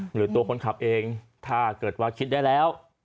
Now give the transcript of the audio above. หรือตัวคนขับเองถ้าเกิดว่าคิดได้แล้ว